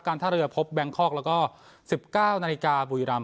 การท่าเรือพบแบมคลอกแล้วก็สิบเก้านาฬิกาบุยรัมป์